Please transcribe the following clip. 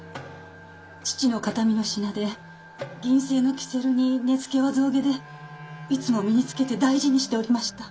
父の形見の品で銀製のキセルに根付は象牙でいつも身につけて大事にしておりました。